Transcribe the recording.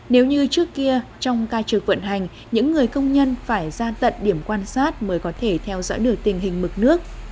nếu như trước kia trong ca trực vận hành những người công nhân phải ra tận điểm quan sát mới có thể theo dõi được tình hình mực nước